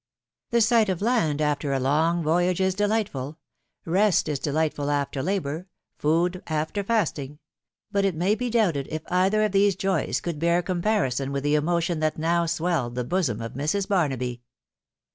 The sight of land after a long voyage is delightful .... rest is delightful after labour, food after fasting ; but it may be doubted if either of these joys could bear comparison with the emotion that now swelled the bosom of Mrs. Barnaby.